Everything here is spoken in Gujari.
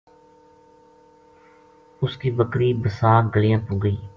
اس کی بکری بیساکھ گلیاں پو گئی